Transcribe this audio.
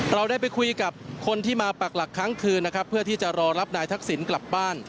เราได้ไปคุยกับคนที่มาปักหลักครั้งคืนนะครับเพื่อที่จะรอรับนายทักษิณกลับบ้าน